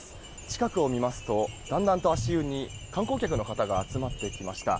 近くを見ますとだんだんと足湯に観光客の方が集まってきました。